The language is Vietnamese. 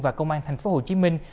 và công an thành phố hồ chí minh